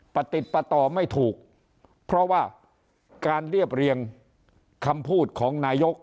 ปฏิปต่อไม่ถูกเพราะว่าการเรียบเรียงคำพูดของนายก